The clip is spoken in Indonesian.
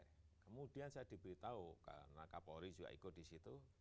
nah kemudian saya diberitahu karena kapolri juga ikut di situ